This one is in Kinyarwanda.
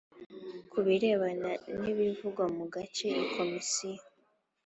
Ku burebana n ibivugwa mu gace i komisiyo